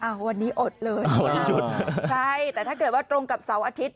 วันนี้อดเลยอดหยุดใช่แต่ถ้าเกิดว่าตรงกับเสาร์อาทิตย